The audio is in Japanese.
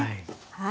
はい。